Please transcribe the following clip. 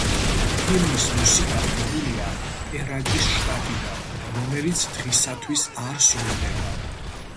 ჰიმნის მუსიკა აღებულია პერაკის შტატიდან, რომელიც დღისათვის არ სრულდება.